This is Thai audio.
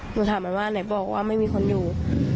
หนูถามมันว่าไหนบอกว่าไม่มีคนอยู่